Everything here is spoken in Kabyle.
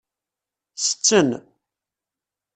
Setten.